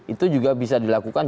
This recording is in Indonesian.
itu juga bisa dilakukan